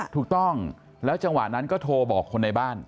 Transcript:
ถูกต้องแล้วจังหวะนั้นก็โทรบอกคนในบ้าน